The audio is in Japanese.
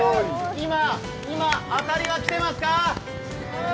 今、当たりが来てますか？